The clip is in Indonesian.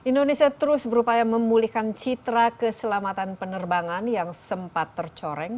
indonesia terus berupaya memulihkan citra keselamatan penerbangan yang sempat tercoreng